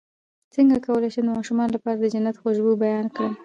څنګه کولی شم د ماشومانو لپاره د جنت خوشبو بیان کړم